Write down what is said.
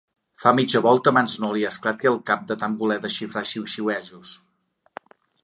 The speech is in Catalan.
Fa mitja volta abans no li esclati el cap de tant voler desxifrar xiuxiuejos.